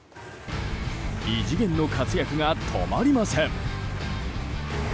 異次元の活躍が止まりません。